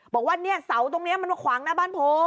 บอกว่าเนี่ยเสาตรงนี้มันมาขวางหน้าบ้านผม